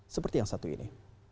seperti yang satu ini